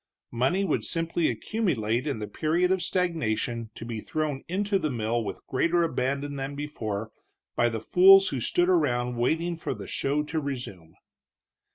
Money would simply accumulate in the period of stagnation to be thrown into the mill with greater abandon than before by the fools who stood around waiting for the show to resume.